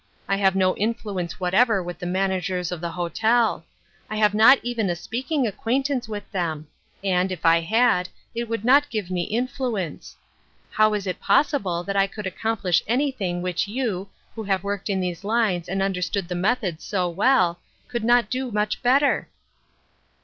I have no influence whatever with the managers of the hotel ; I have not even a speaking acquaintance with them ; and, if I had, it would not give me influence. I low is it possible that I could accomplish anything which you, who have 124 COMING TO AN UNDERSTANDING. worked in these lines and understand the methods so well, could not do much better